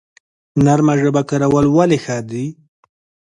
نرمه ژبه کارول ولې ښه دي؟